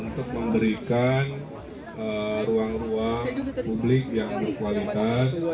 untuk memberikan ruang ruang publik yang berkualitas